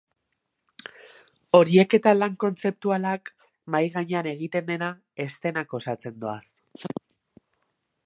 Horiek eta lan kontzeptualak, mahai gainean egiten dena, eszenak osatzen doaz.